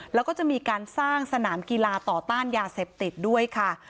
แล้วก็จะมีการสร้างสนามกีฬาต่อต้านยาเสพติดด้วยค่ะ